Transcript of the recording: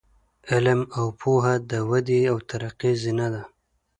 علم او پوهه د ودې او ترقۍ زینه ده.